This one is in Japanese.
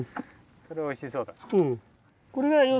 それはおいしそうだ。